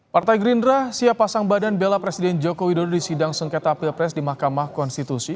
partai gerindra siap pasang badan bela presiden joko widodo di sidang sengketa pilpres di mahkamah konstitusi